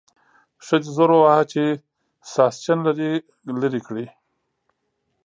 ښځې زور وواهه چې ساسچن لرې کړي.